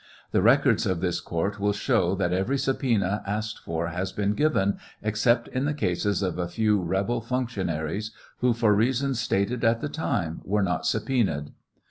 The' records of this court will show that every subpoena asked for has been given, except in the cases of a few rebel functionaries who, for reasons stated at the time, were not subpoenaed.